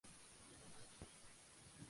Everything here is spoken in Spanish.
Moore y Perry se miran con asombro.